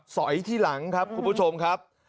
สอยที่หลังครับคุณผู้ชมครับ